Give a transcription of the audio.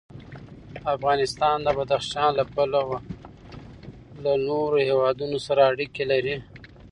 افغانستان د بدخشان له پلوه له نورو هېوادونو سره اړیکې لري.